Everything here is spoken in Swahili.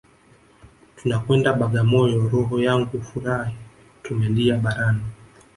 Tunakwenda Bagamoyo roho yangu furahi tumelia barani